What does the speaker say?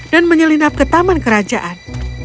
dan menyelinap ke taman kerajaan